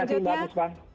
terima kasih banyak pak